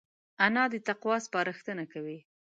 انا د تقوی سپارښتنه کوي